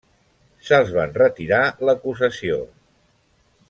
Se'ls van retirar l'acusació.